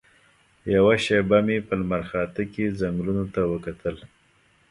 یوه شېبه مې په لمرخاته کې ځنګلونو ته وکتل.